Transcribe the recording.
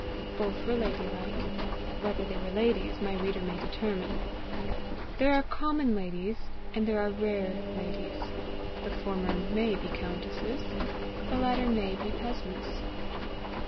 Both were lady like; whether they were ladies, my reader may determine. There are common ladies and there are rare ladies; the former MAY be countesses; the latter MAY be peasants.